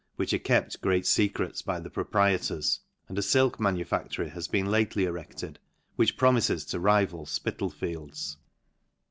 which are kept great fecrets by the proprietors ; and a nlk manufactory has been lately erected, which promifes to rival Spital fields.